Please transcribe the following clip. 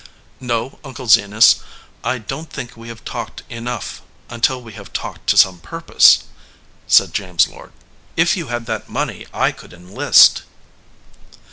"No, Uncle Zenas, I don t think we have talked enough until we have talked to some purpose/ said James Lord. "If you had that money I could enlist."